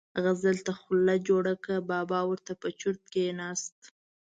غزل ته خوله جوړه کړه، بابا ور ته په چرت کېناست.